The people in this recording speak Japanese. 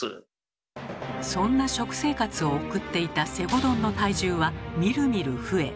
そんな食生活を送っていた西郷どんの体重はみるみる増え